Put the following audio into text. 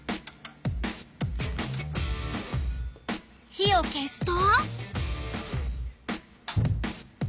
火を消すと。